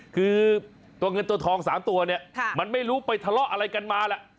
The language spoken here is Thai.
คือตัวเงินตัวทอง๓ตัวเนี่ยมันไม่รู้ไปทะเลาะอะไรกันมาแหละ